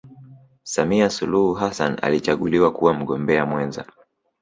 samia suluhu hassan alichaguliwa kuwa mgombea mwenza